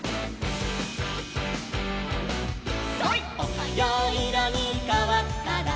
「おはよういろにかわったら」